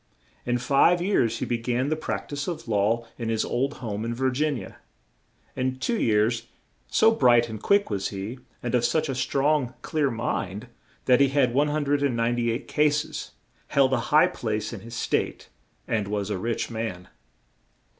In five years he be gan the prac tise of law in his old home in Vir gin ia. In two years, so bright and quick was he, and of such a strong, clear mind, that he had 198 cas es, held a high place in his State, and was a rich man.